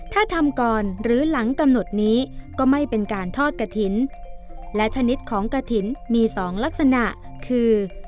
ถ้าทำก่อนหรือหลังกำหนดนี้ก็ไม่เป็นการทอดกระถิ่นและชนิดของกระถิ่นมีสองลักษณะคือ